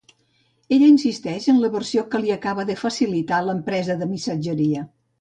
Ella insisteix en la versió que li acaba de facilitar l'empresa de missatgeria.